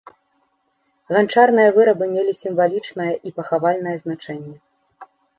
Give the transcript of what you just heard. Ганчарныя вырабы мелі сімвалічнае і пахавальнае значэнне.